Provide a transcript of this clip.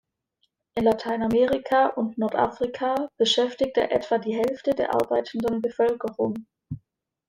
In Lateinamerika und Nordafrika beschäftigt er etwa die Hälfte der arbeitenden Bevölkerung.